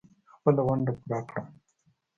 خپله ونډه پوره کړم.